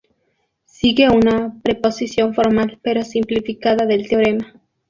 Sigue una proposición formal pero simplificada del teorema.